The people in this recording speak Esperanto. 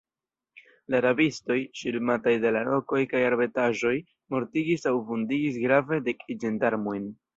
La rabistoj, ŝirmataj de la rokoj kaj arbetaĵoj, mortigis aŭ vundigis grave dek ĝendarmojn.